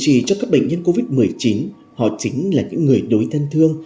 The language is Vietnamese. chỉ cho các bệnh nhân covid một mươi chín họ chính là những người đối thân thương